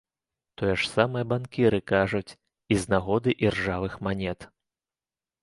Тое ж самае банкіры кажуць і з нагоды іржавых манет.